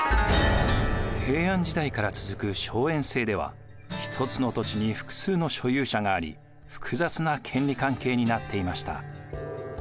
平安時代から続く荘園制では一つの土地に複数の所有者があり複雑な権利関係になっていました。